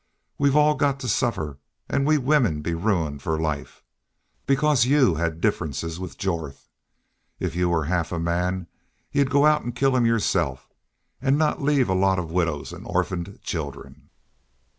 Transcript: We've all got to suffer an' we women be ruined for life because YOU had differences with Jorth. If you were half a man you'd go out an' kill him yourself, an' not leave a lot of widows an' orphaned children!"